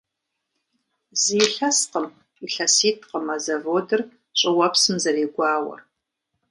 Зы илъэскъым, илъэситӀкъым а заводыр щӀыуэпсым зэрегуауэр.